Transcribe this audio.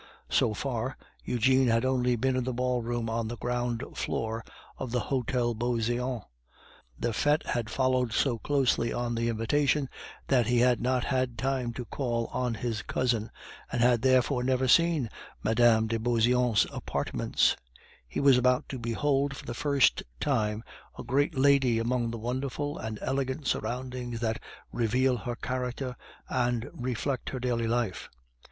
So far, Eugene had only been in the ballroom on the ground floor of the Hotel Beauseant; the fete had followed so closely on the invitation, that he had not had time to call on his cousin, and had therefore never seen Mme. de Beauseant's apartments; he was about to behold for the first time a great lady among the wonderful and elegant surroundings that reveal her character and reflect her daily life.